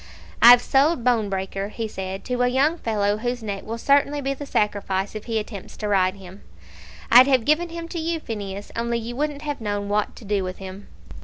"I've sold Bonebreaker," he said, "to a young fellow whose neck will certainly be the sacrifice if he attempts to ride him. I'd have given him to you, Phineas, only you wouldn't have known what to do with him."